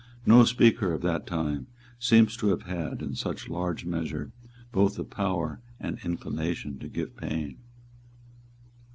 No speaker of that time seems to have had, in such large measure, both the power and the inclination to give pain.